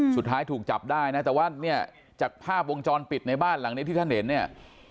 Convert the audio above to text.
สุดท้ายถูกจับได้นะแต่ว่าเนี่ยจากภาพวงจรปิดในบ้านหลังนี้ที่ท่านเห็นเนี่ย